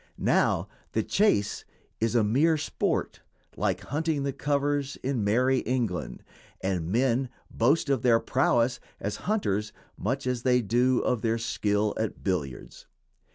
Now the "chase" is a mere sport, like "hunting the covers" in Merrie England, and men boast of their prowess as hunters much as they do of their skill at billiards.